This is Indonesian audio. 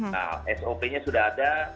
nah sop nya sudah ada